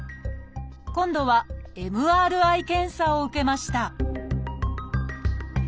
今度はＭＲＩ検査を受けました